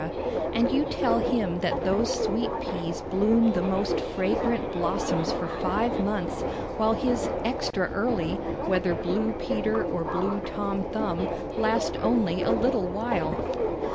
and you tell him that those Sweet Peas bloom the most fragrant blossoms for five months, while his "Extra Early," whether "Blue Peter" or "Blue Tom Thumb," last only a little while.